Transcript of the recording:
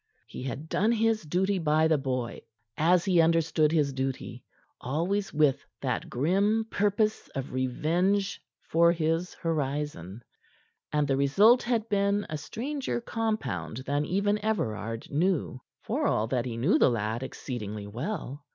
He had done his duty by the boy as he understood his duty, always with that grim purpose of revenge for his horizon. And the result had been a stranger compound than even Everard knew, for all that he knew the lad exceedingly well.